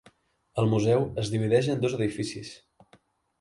El museu es divideix en dos edificis.